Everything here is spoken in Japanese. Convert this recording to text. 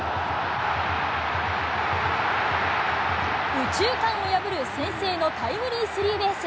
右中間を破る、先制のタイムリースリーベース。